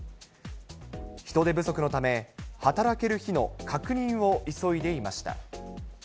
人手不足のため、働ける日の確認を急いでいました。